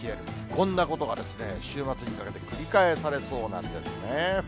こんなことが週末にかけて繰り返されそうなんですね。